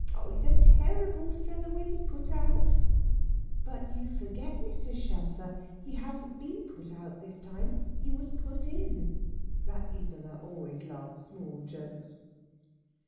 Ah, he's a terrible fellow, when he's put out." "But you forget, Mrs. Shelfer, he hasn't been put out this time; he was put in." That Isola always loved small jokes.